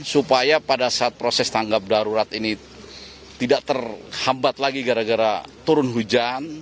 supaya pada saat proses tanggap darurat ini tidak terhambat lagi gara gara turun hujan